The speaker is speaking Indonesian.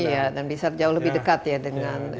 iya dan bisa jauh lebih dekat ya dengan